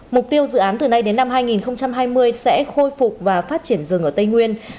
mục tiêu dự án từ nay đến năm hai nghìn hai mươi sẽ khôi phục và phát triển rừng ở tây nguyên